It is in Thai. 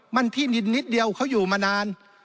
มันที่ดินนิดเดียวเขาอยู่มานาน